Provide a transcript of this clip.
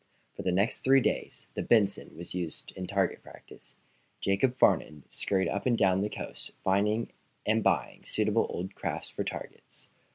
For the next three days the "Benson" was used in target practice. Jacob Farnum scurried up and down the coast, finding and buying suitable old craft for targets.